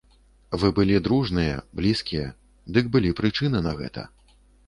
Вы былі дружныя, блізкія, дык былі прычыны на гэта.